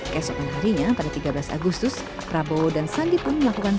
kesokan harinya pada tiga belas agustus prabowo dan sandi pun melakukan